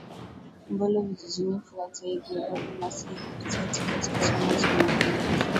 Mbulu Vijijini Flatei Gregory Massay kupitia tiketi ya Chama cha mapinduzi